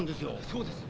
そうです。